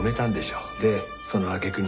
でその揚げ句に。